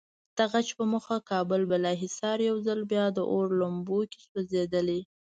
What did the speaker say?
د غچ په موخه کابل بالاحصار یو ځل بیا د اور لمبو کې سوځېدلی.